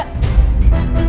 aku berani aku berani